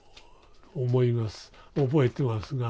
覚えてますが。